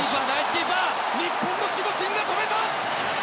日本の守護神が止めた！